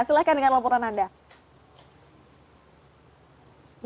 silahkan dengan laporan anda